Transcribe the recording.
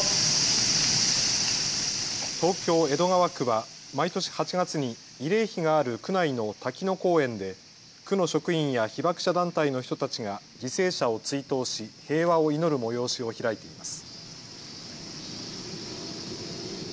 東京江戸川区は毎年８月に慰霊碑がある区内の滝野公園で区の職員や被爆者団体の人たちが犠牲者を追悼し平和を祈る催しを開いています。